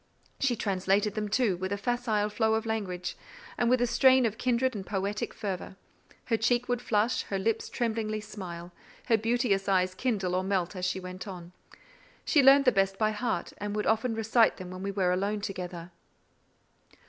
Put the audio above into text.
She translated them, too, with a facile flow of language, and in a strain of kindred and poetic fervour: her cheek would flush, her lips tremblingly smile, her beauteous eyes kindle or melt as she went on. She learnt the best by heart, and would often recite them when we were alone together.